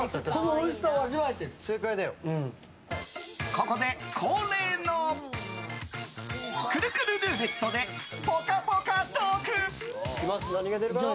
ここで、恒例のくるくるルーレットでぽかぽかトーク！